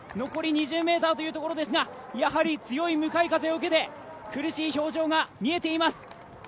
残り２０ｍというところですが、強い向かい風を受けて苦しい表情が見えています。